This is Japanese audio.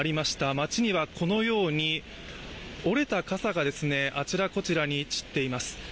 街にはこのように折れた傘があちらこちらに散っています。